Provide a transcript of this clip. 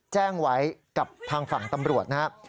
แจ้งไว้กับทางฝั่งตำรวจนะครับ